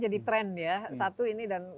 jadi trend ya satu ini dan